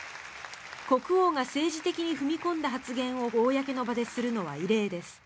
国王が政治的に踏み込んだ発言を公の場でするのは異例です。